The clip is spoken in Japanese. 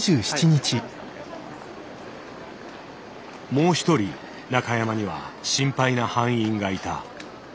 もう一人中山には心配な班員がいた。